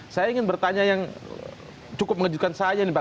saya ingin bertanya yang cukup mengejutkan saya nih pak